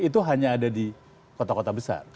itu hanya ada di kota kota besar